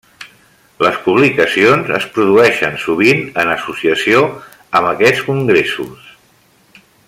Les publicacions es produeixen sovint en associació amb aquests congressos.